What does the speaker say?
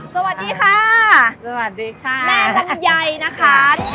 สวัสดีค่ะสวัสดีค่ะแม่ลำไยนะคะ